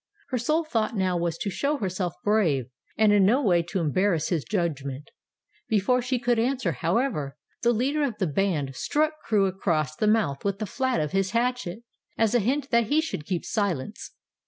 Her sole thought now was to show herself brave, and in no way to embarrass his judgment. Before she could answer, however, the leader of the band struck Crewe across the mouth with the flat of his hatchet, as a hint that he should keep silence.